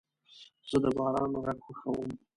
زه د باران غږ خوښوم.